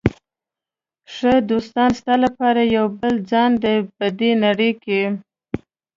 ښه دوست ستا لپاره یو بل ځان دی په دې نړۍ کې.